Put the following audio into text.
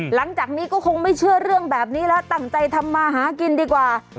หลังจากนี้ก็คงไม่เชื่อเรื่องแบบนี้แล้วตั้งใจทำมาหากินดีกว่า